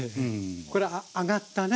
これ揚がったね